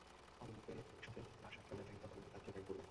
কলিংবেলের শব্দে রাশাদ দৌড়ে যায় দরজা খুলতে, তার পেছনে যায় গরু মানব।